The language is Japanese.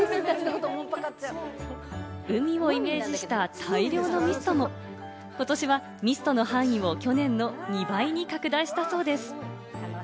海をイメージした大量のミストも、今年はミストの範囲を去年の２倍に拡大したそうです。